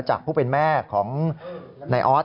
จากผู้เป็นแม่ของนายออส